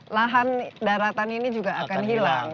lahan daratan ini juga akan hilang